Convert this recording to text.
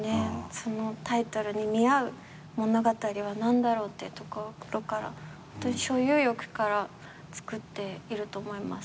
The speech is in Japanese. そのタイトルに見合う物語は何だろうってところから所有欲から作っていると思います。